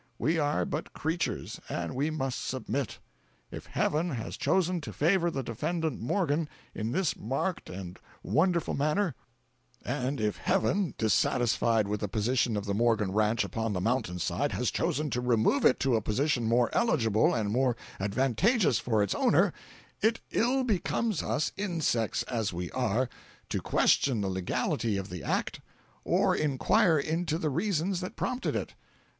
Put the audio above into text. We are but creatures, and we must submit. If Heaven has chosen to favor the defendant Morgan in this marked and wonderful manner; and if Heaven, dissatisfied with the position of the Morgan ranch upon the mountain side, has chosen to remove it to a position more eligible and more advantageous for its owner, it ill becomes us, insects as we are, to question the legality of the act or inquire into the reasons that prompted it.